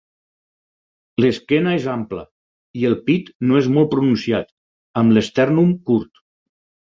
L'esquena és ampla, i el pit no és molt pronunciat, amb l'estèrnum curt.